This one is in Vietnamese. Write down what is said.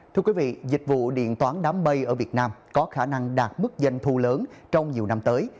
thưa quý vị dịch vụ điện toán đám mây ở việt nam có khả năng đạt mức doanh thu lớn trong nhiều năm tới